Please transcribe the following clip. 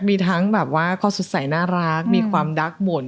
มีทั้งแบบว่าข้อสดใสน่ารักมีความดักบ่น